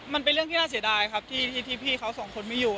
มันเป็นเรื่องที่น่าเสียดายครับที่พี่เขาสองคนไม่อยู่